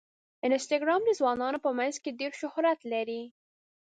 انسټاګرام د ځوانانو په منځ کې ډېر شهرت لري.